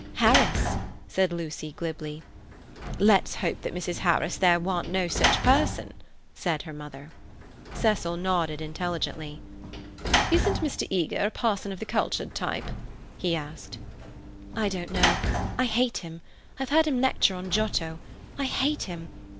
"Harris," said Lucy glibly. "Let's hope that Mrs. Harris there warn't no sich person," said her mother. Cecil nodded intelligently. "Isn't Mr. Eager a parson of the cultured type?" he asked. "I don't know. I hate him. I've heard him lecture on Giotto. I hate him.